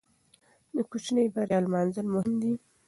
د کوچنۍ بریا لمانځل مهم دي.